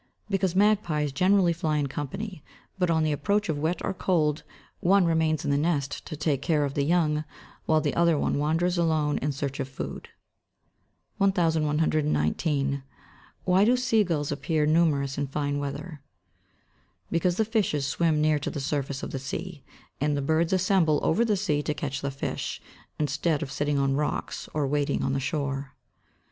_ Because magpies generally fly in company; but on the approach of wet or cold, one remains in the nest to take care of the young, while the other one wanders alone in search of food. 1119. Why do sea gulls appear numerous in fine weather? Because the fishes swim near to the surface of the sea, and the birds assemble over the sea to catch the fish, instead of sitting on rocks, or wading on the shore.